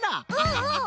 ハハハハハ！